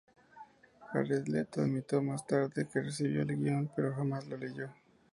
Jared Leto admitió más tarde que recibió el guion, pero jamás lo leyó.